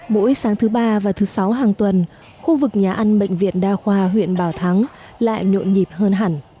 mỗi sáng thứ ba và thứ sáu hàng tuần khu vực nhà ăn bệnh viện đa khoa huyện bảo thắng lại nhộn nhịp hơn hẳn